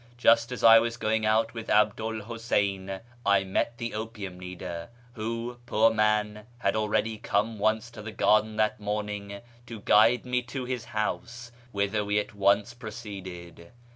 Just as I was going out with 'Abdu '1 Huseyn I met the opium kneader, who, poor man, had already come once to the garden that morning to guide me to his house, whither we at once proceeded.